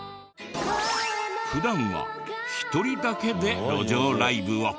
普段は１人だけで路上ライブを。